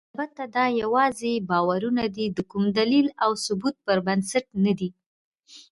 البته دا یواځې باورونه دي، د کوم دلیل او ثبوت پر بنسټ نه دي.